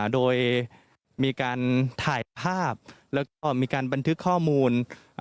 โดยมีการถ่ายภาพแล้วก็มีการบันทึกข้อมูล